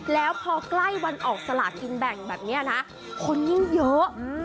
แล้วพอใกล้วันออกสลากินแบ่งแบบนี้นะคนยิ่งเยอะ